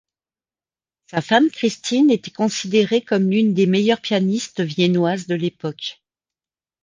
Sa femme Christine était considérée comme l'une des meilleures pianistes viennoises de l'époque.